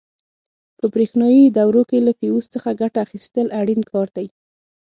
په برېښنایي دورو کې له فیوز څخه ګټه اخیستل اړین کار دی.